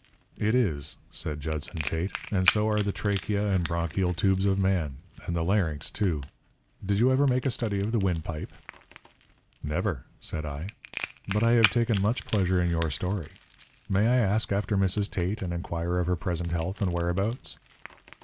"It is," said Judson Tate. "And so are the trachea and bronchial tubes of man. And the larynx too. Did you ever make a study of the windpipe?" "Never," said I. "But I have taken much pleasure in your story. May I ask after Mrs. Tate, and inquire of her present health and whereabouts?"